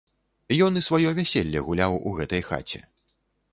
Ён і сваё вяселле гуляў у гэтай хаце.